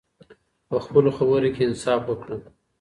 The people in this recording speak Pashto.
په خپلو خبرو کې انصاف وکړه.